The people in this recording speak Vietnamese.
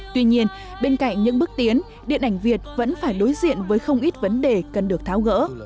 tuy nhiên bên cạnh những bước tiến điện ảnh việt vẫn phải đối diện với không ít vấn đề cần được tháo gỡ